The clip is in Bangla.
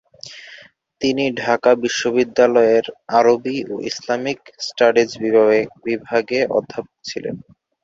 তিনি ঢাকা বিশ্ববিদ্যালয়ের আরবি ও ইসলামিক স্টাডিজ বিভাগে অধ্যাপক ছিলেন।